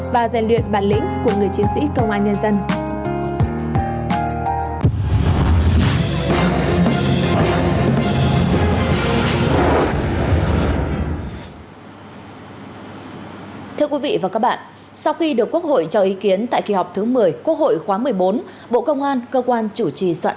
và dành luyện bản lĩnh của người chiến sĩ công an nhân dân